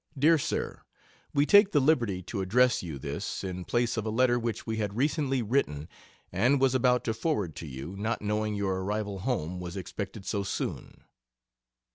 DR. SIR, We take the liberty to address you this, in place of a letter which we had recently written and was about to forward to you, not knowing your arrival home was expected so soon.